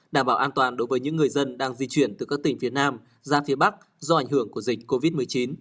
đảm bảo an toàn đối với những người dân đang di chuyển từ các tỉnh phía nam ra phía bắc do ảnh hưởng của dịch covid một mươi chín